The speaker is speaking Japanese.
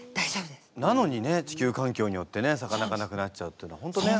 なのにね地球環境によってね魚がなくなっちゃうっていうのは本当ね。